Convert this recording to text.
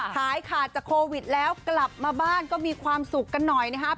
ขายขาดจากโควิดแล้วกลับมาบ้านก็มีความสุขกันหน่อยนะครับ